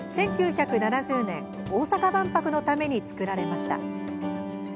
１９７０年、大阪万博のために作られました。